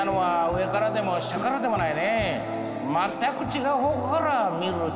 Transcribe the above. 「上からでも下からでもない」。